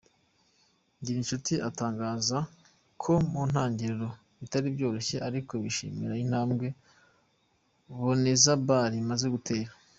Ngirinshuti atangaza ko mu ntangiriro bitari byoroshye ariko yishimira intambwe Boneza Ball imaze gutera.